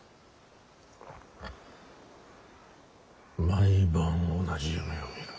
毎晩同じ夢を見る。